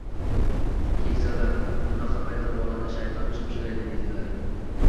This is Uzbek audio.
Keksalar, bunaqa paytda bolani shayton chimchilaydi, deydilar.